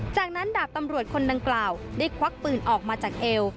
จากนั้นดาบตำรวจคนดังกล่าวได้ควักปืนออกมาจากเอว